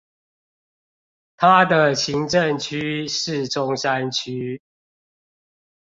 他的行政區是中山區